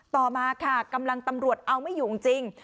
ต่อมาค่ะกำลังตำรวจเอาไม่อยู่จริง